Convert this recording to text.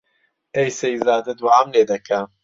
ئەی سەیزادە دووعام لێ دەکا